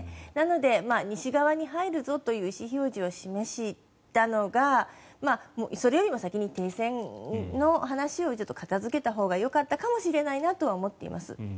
なので西側に入るぞという意思表示を示したのがそれよりも先に停戦の話を片付けたほうがよかったかもしれないなとは思っています。